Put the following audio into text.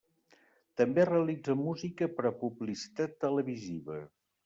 També realitza música per a publicitat televisiva.